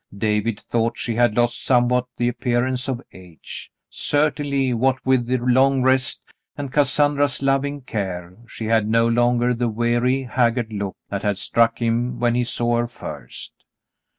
David thought she had lost somewhat the appearance of age ; certainly, what with the long rest, and Cassandra's loving care, she had no longer the weary, haggard look that had struck him when he saw her first.